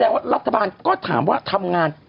พี่เราหลุดมาไกลแล้วฝรั่งเศส